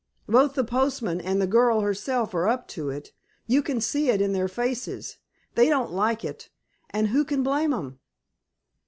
Both the postmaster an' the girl herself are up to it. You can see it in their faces. They don't like it, an' who can blame 'em!"